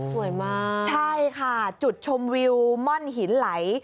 สวยมากใช่ค่ะจุดชมวิวม่อนหินไหล